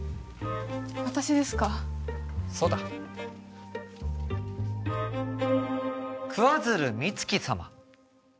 私ですかそうだ桑鶴美月様